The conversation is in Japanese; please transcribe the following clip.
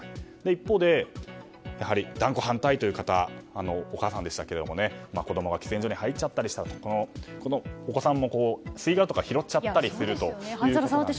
一方で、やはり断固反対という方お母さんでしたけども子供が喫煙所に入っちゃったりしたらこのお子さんも吸い殻とかを拾っちゃったりすると。